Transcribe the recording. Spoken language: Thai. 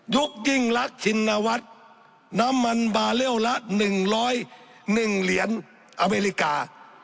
ยุคยิ่งลักษณวัฒน์น้ำมันบาเลี่ยวละหนึ่งร้อยหนึ่งเหรียญอเมริกา